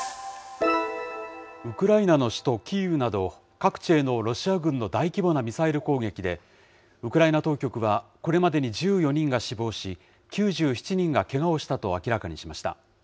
ウクライナの首都キーウなど、各地へのロシア軍の大規模なミサイル攻撃で、ウクライナ当局は、これまでに１４人が死亡し、９７人がけがをしたと明らかにしました。